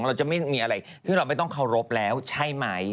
เราจะไม่มีอะไรซึ่งเราไม่ต้องเคารพแล้วใช่ไหม